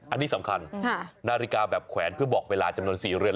อันนี้สำคัญนาฬิกาแบบแขวนเพื่อบอกเวลาจำนวน๔เรือน